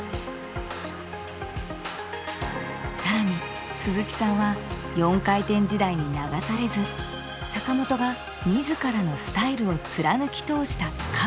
更に鈴木さんは４回転時代に流されず坂本が自らのスタイルを貫き通した覚悟を評価する。